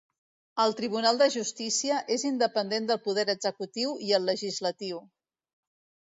El Tribunal de Justícia és independent del poder executiu i el legislatiu.